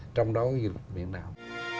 trong đó là du lịch biển đảo